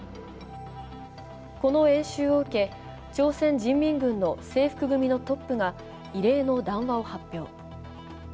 この演習を受け、朝鮮人民軍の制服組のトップが異例の談話を発表。